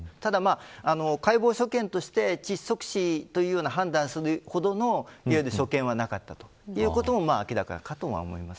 解剖所見として、窒息死という判断をするほどの所見はなかったということも明らかかと思います。